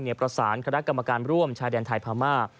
ประสานคณะกรรมการร่วมชายแดนไทยพม่า